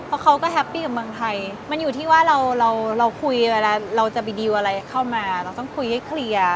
เพราะเขาก็แฮปปี้กับเมืองไทยมันอยู่ที่ว่าเราเราคุยเวลาเราจะไปดีลอะไรเข้ามาเราต้องคุยให้เคลียร์